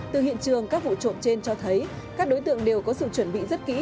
từ hiện trường các vụ trộm trên cho thấy các đối tượng đều có sự chuẩn bị rất kỹ